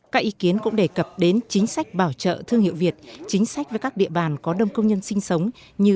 các ý kiến cũng đề cập đến chính sách bảo trợ thương hiệu việt chính sách với các địa bàn có đông công nhân sinh sống như